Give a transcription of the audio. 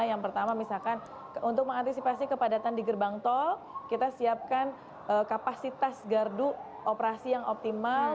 yang pertama misalkan untuk mengantisipasi kepadatan di gerbang tol kita siapkan kapasitas gardu operasi yang optimal